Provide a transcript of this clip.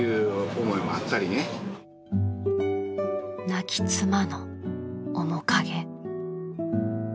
［亡き妻の面影］